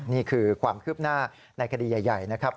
นี่คือความคืบหน้าในคดีใหญ่นะครับ